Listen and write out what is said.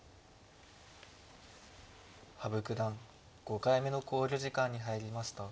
羽生九段５回目の考慮時間に入りました。